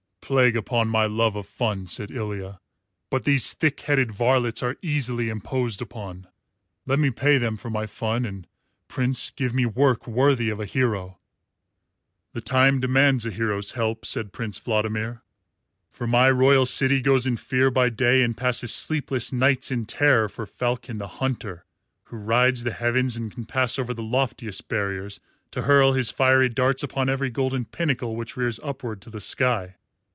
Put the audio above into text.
"Plague upon my love of fun," said Ilya, "but these thick headed varlets are easily imposed upon. Let me pay them for my fun and, Prince, give me work worthy of a hero." "The time demands a hero's help," said Prince Vladimir, "for my royal city goes in fear by day and passes sleepless nights in terror for Falcon the Hunter, who rides the heavens and can pass over the loftiest barriers to hurl his fiery darts upon every golden pinnacle which rears upward to the sky.